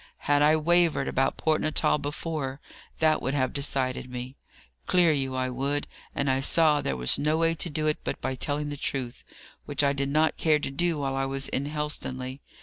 Had I wavered about Port Natal before, that would have decided me. Clear you I would, and I saw there was no way to do it but by telling the truth, which I did not care to do while I was in Helstonleigh.